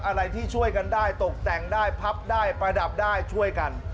อะไรที่ช่วยกันได้ตกแต่งได้พับได้ประดับได้ช่วยกัน